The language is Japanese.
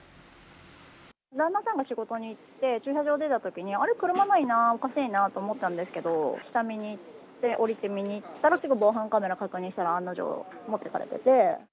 旦那さんが仕事に行って、駐車場出たときに、あれ、車ないな、おかしいなと思ったんですけど、下見に行って、下りて見に行ったら、ちょっと防犯カメラ確認したら、案の定、持ってかれてて。